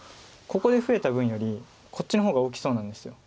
ここで増えた分よりこっちの方が大きそうなんです。